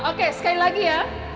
oke sekali lagi ya